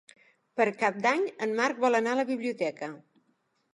Per Cap d'Any en Marc vol anar a la biblioteca.